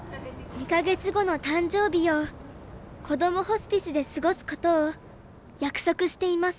２か月後の誕生日をこどもホスピスで過ごすことを約束しています。